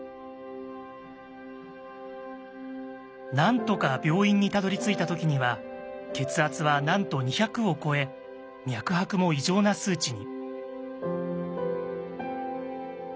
なんとか病院にたどりついた時には血圧はなんと２００を超え脈拍も異常な数値に。